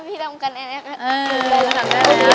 เออพี่ทำได้แล้วนะครับ